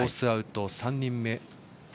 アウト、３人目。